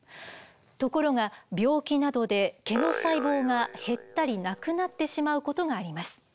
ところが病気などで毛の細胞が減ったりなくなってしまうことがあります。